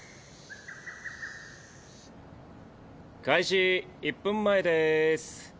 開始１分前です。